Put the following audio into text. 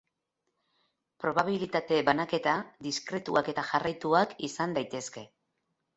Probabilitate banaketa diskretuak eta jarraituak izan daitezke.